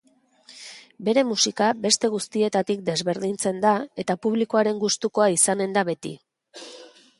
Bere musika beste guztietatik desberdintzen da eta publikoaren gustukoa izanen da beti.